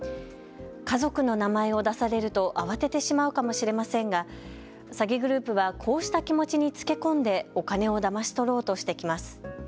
家族の名前を出されると慌ててしまうかもしれませんが詐欺グループはこうした気持ちにつけ込んでお金をだまし取ろうとしてきます。